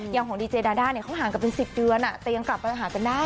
ยังของดีเจดาด้าเนี่ยเขาห่างกันเป็นสิบเดือนอ่ะแต่ยังกลับไปหาเป็นได้อ่ะ